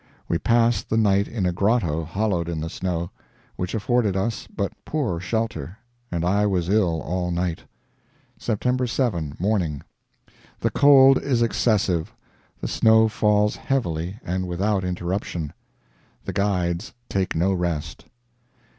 We passed the night in a grotto hollowed in the snow, which afforded us but poor shelter, and I was ill all night. SEPT. 7 MORNING. The cold is excessive. The snow falls heavily and without interruption. The guides take no rest.